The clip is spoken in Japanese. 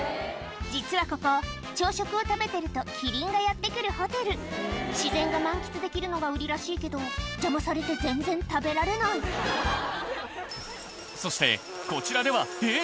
実はここ朝食を食べてるとキリンがやって来るホテル自然が満喫できるのが売りらしいけど邪魔されて全然食べられないそしてこちらではえっ？